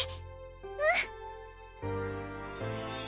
うん。